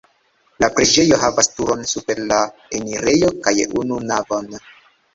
La preĝejo havas turon super la enirejo kaj unu navon.